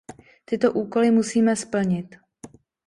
Tyto úkoly musíme splnit.